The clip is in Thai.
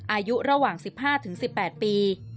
อายุระหว่าง๑๕๑๘ปี